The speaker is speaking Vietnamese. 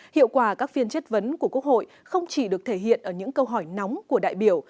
hiệu quả các phiên chất vấn của quốc hội không chỉ được thể hiện ở những câu hỏi nóng của đại biểu